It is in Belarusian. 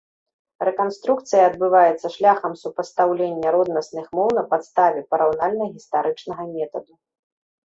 Рэканструкцыя адбываецца шляхам супастаўлення роднасных моў на падставе параўнальна-гістарычнага метаду.